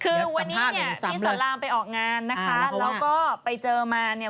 คือวันนี้เนี่ยพี่สอนรามไปออกงานนะคะแล้วก็ไปเจอมาเนี่ย